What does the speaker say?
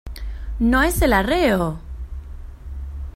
¡ no es el arreo!...